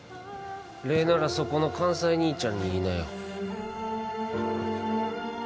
礼ならそこの関西兄ちゃんに言いなよ